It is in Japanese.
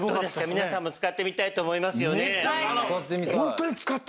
皆さんも使ってみたいと思いますよね。